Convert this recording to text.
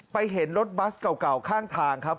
เห็นรถบัสเก่าข้างทางครับ